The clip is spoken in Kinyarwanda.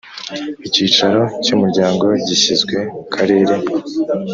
Icyicaro cy umuryango gishyizwe mu Karere